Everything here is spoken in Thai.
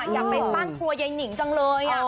อยากไปสร้างครัวยายนิงจังเลย